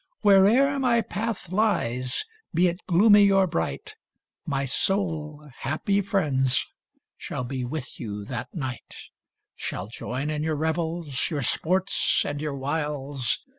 Where'er my path lies, be it gloomy or bright, My soul, happy friends, shall be with you that night ; Shall join in your revels, your sports and your wiles.